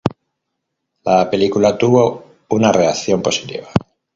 La película tuvo una reacción positiva.